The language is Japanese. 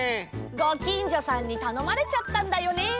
ごきんじょさんにたのまれちゃったんだよね。